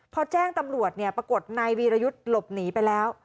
พอแจ้งตำรวจเนี่ยปรากฏนายวีรยุทธ์หลบหนีไปแล้ว